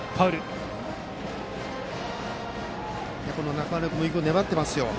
中浦君、よく粘ってますよ。